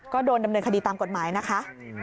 ก็โดนดำเนินคดีตามกฎหมายนะคะ